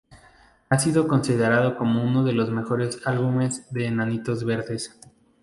Ha sido considerado como uno de los mejores álbumes de Enanitos Verdes.